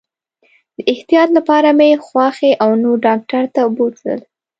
د احتیاط لپاره مې خواښي او نور ډاکټر ته بوتلل.